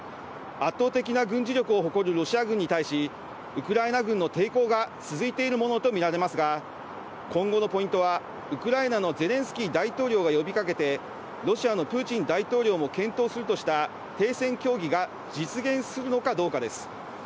圧倒的な軍事力を誇るロシア軍に対し、ウクライナ軍の抵抗が続いているものと見られますが、今後のポイントは、ウクライナのゼレンスキー大統領が呼びかけて、ロシアのプーチン大統領も検討するとした停戦協議が実現するのかどうかです。